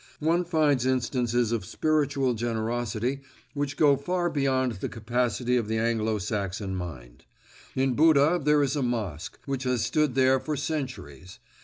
One finds instances of spiritual generosity which go far beyond the capacity of the Anglo Saxon mind. In Buda there is a mosque, which has stood there for centuries.